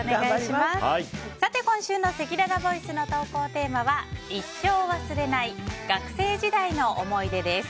今週のせきららボイスの投稿テーマは一生忘れられない学生時代の思い出です。